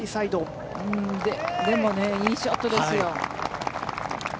でもいいショットですよ。